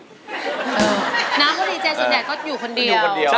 นะเพราะดีเจย์สุดแดดก็อยู่คนเดียว